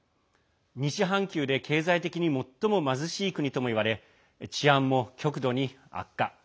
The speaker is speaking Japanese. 西半球で経済的に最も貧しい国ともいわれ治安も極度に悪化。